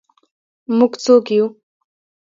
موږ څوک یو؟